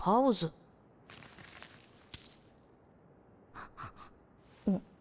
あっ。